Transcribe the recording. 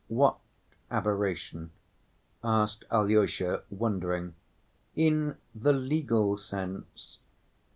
"What aberration?" asked Alyosha, wondering. "In the legal sense.